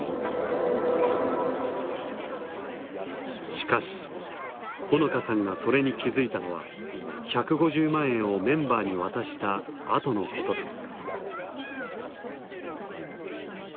しかし穂野香さんがそれに気付いたのは１５０万円をメンバーに渡したあとのことだった。